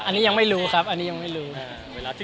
อันนี้ยังไม่รู้ครับอันนี้ยังไม่รู้